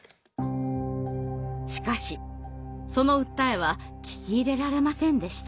しかしその訴えは聞き入れられませんでした。